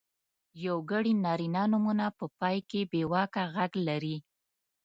یوګړي نرينه نومونه په پای کې بېواکه غږ لري.